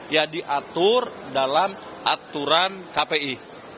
yang diatur dalam aturan kpi